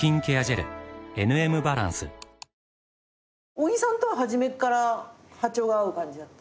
小木さんとは初めっから波長が合う感じだった？